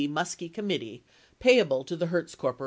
Muskie committee payable to the Hertz Corp.